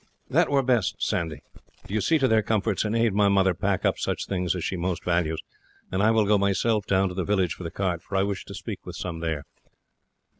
"That were best, Sandy. Do you see to their comforts, and aid my mother pack up such things as she most values, and I will go myself down to the village for the cart, for I wish to speak with some there."